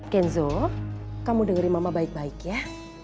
kenzo kamu dengerin mama baik baik ya